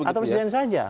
atau presiden saja